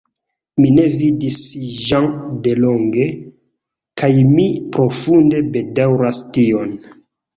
Mi ne vidis Jean delonge, kaj mi profunde bedaŭras tion.